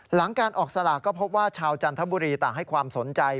หลังการออกสลากก็พบว่าชาวจันทบุรีต่างให้ความสนใจ